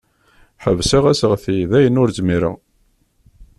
Ḥebseɣ aseɣti dayen ur zmireɣ.